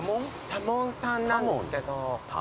多聞さんなんですけど。